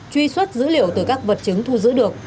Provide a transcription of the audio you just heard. truy xuất dữ liệu từ các vật chứng thu giữ được